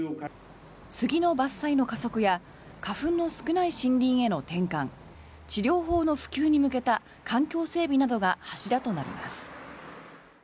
杉の伐採の加速や花粉の少ない森林への転換治療法の普及に向けた環境整備などが柱となります。